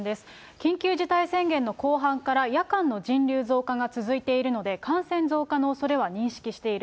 緊急事態宣言の後半から、夜間の人流増加が続いているので、感染増加のおそれは認識している。